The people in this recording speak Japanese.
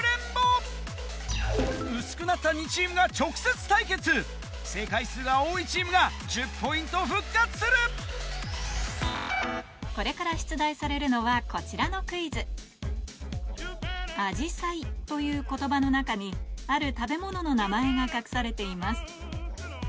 うすくなった２チームが直接対決正解数が多いチームが１０ポイント復活するこれから出題されるのはこちらのクイズ「あじさい」という言葉の中にある食べ物の名前が隠されています